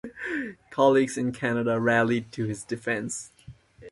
Colleagues in Canada rallied to his defence.